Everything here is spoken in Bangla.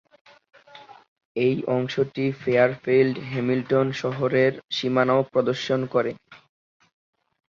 এই অংশটি ফেয়ারফিল্ড-হ্যামিলটন শহরের সীমানাও প্রদর্শন করে।